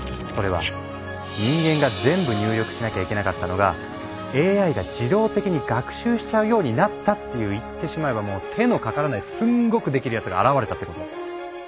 それは人間が全部入力しなきゃいけなかったのがＡＩが自動的に学習しちゃうようになったっていう言ってしまえばもう手のかからないすんごくデキるヤツが現れたってこと。